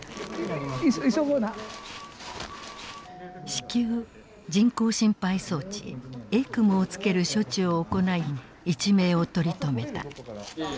至急人工心肺装置・ＥＣＭＯをつける処置を行い一命を取り留めた。